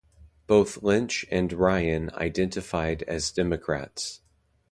Both Lynch and Ryan identified as Democrats.